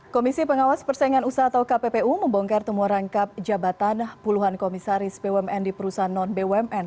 komisi pengawas persaingan usaha atau kppu membongkar temuan rangkap jabatan puluhan komisaris bumn di perusahaan non bumn